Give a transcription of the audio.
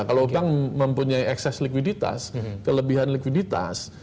kalau bank mempunyai ekses likuiditas kelebihan likuiditas